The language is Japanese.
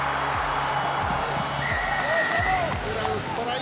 フランス、トライ！